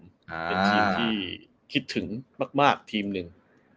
เป็นทีมที่คิดถึงมากทีมหนึ่ง